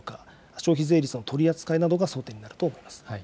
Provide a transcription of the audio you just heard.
消費税率の取り扱いなどが争点になると思います。